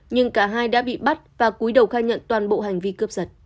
nhưng cả hai đã bị bắt và cuối đầu khai nhận toàn bộ hành vi cướp giật